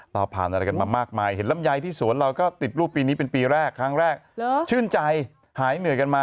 เราผ่านกันมามากมาย